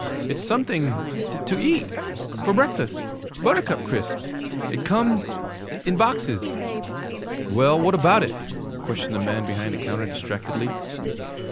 'It's something to eat! For breakfast! Buttercup Crisps! It comes in boxes.' 'Well, what about it?' questioned the man behind the counter distractedly.